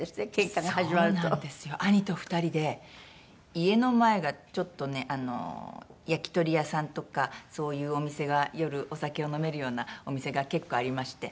家の前がちょっとね焼き鳥屋さんとかそういうお店が夜お酒を飲めるようなお店が結構ありまして。